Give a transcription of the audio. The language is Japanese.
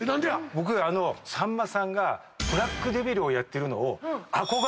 僕さんまさんがブラックデビルをやってるのを。